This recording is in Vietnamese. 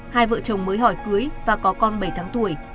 hai vợ chồng mới hỏi cưới và có con bảy tháng tuổi